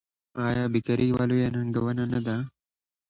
آیا بیکاري یوه لویه ننګونه نه ده؟